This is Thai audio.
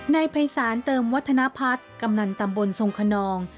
นายภัยศาลเติมวัฒนพัฒน์กำนันตำบลทรงคนนอง